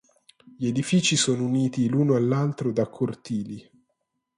Gli edifici sono uniti l'uno all'altro da cortili.